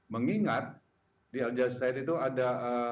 mengingat di aljazeera itu ada